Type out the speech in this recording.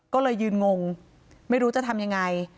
ก็เลยยืนงงไม่รู้จะทำยังไง